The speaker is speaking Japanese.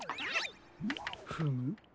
フム？